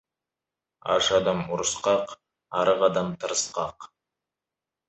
Аш адам ұрысқақ, арық адам тырысқақ.